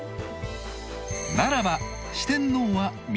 ならば四天王は皆老中？